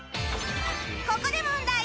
ここで問題！